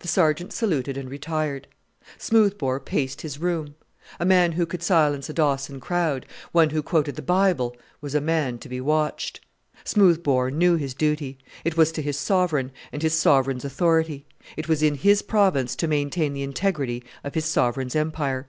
The Sergeant saluted and retired. Smoothbore paced his room. A man who could silence a Dawson crowd one who quoted the Bible was a man to be watched! Smoothbore knew his duty; it was to his sovereign, and his sovereign's authority; it was in his province to maintain the integrity of his sovereign's empire.